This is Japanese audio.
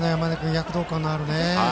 躍動感のあるね。